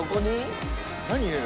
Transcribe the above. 何入れる？